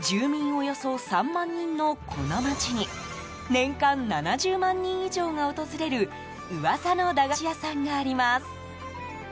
およそ３万人のこの町に年間７０万人以上が訪れる噂の駄菓子屋さんがあります。